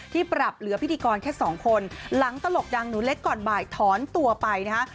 ปรับเหลือพิธีกรแค่สองคนหลังตลกดังหนูเล็กก่อนบ่ายถอนตัวไปนะฮะ